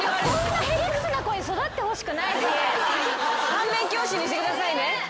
反面教師にしてくださいね。